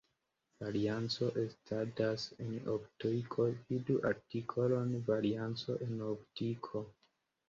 Varianco estadas en optiko, vidu artikolon varianco en optiko.